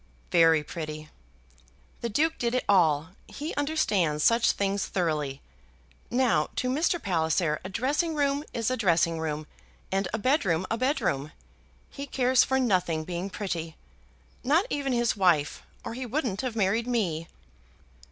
"Very pretty." "The Duke did it all. He understands such things thoroughly. Now to Mr. Palliser a dressing room is a dressing room, and a bedroom a bedroom. He cares for nothing being pretty; not even his wife, or he wouldn't have married me."